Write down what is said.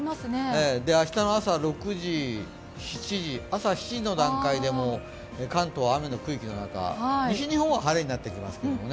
明日の朝７時の段階でも関東は雨の区域の中西日本は晴れになってきますけどね。